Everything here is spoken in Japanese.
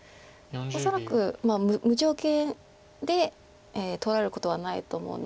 恐らく無条件で取られることはないと思うので。